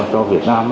cho việt nam